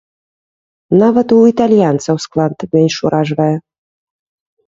Нават у італьянцаў склад менш уражвае.